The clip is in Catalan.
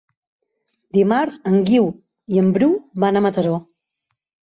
Dimarts en Guiu i en Bru van a Mataró.